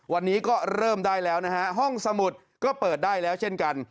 วันนี้ก็เริ่มได้แล้วนะฮะห้องสมุดก็เปิดได้แล้วเช่นกัน